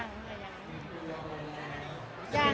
ยังยัง